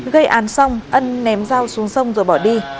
gây án xong ân ném dao xuống sông rồi bỏ đi